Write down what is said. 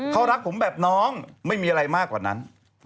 เขารักผมแบบน้องไม่มีอะไรมากกว่านั้น